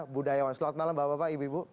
budayawan selamat malam bapak bapak ibu ibu